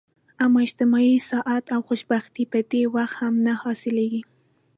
اما اجتماعي سعادت او خوشبختي په دې وخت هم نه حلاصیږي.